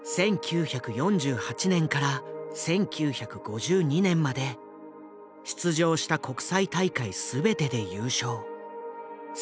１９４８年から１９５２年まで出場した国際大会全てで優勝。